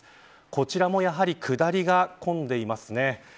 こちらもやはり下りが混んでいますね。